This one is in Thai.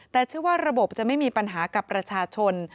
แต่เชื่อว่าระบบจะไม่มีปัญหากับประชาชน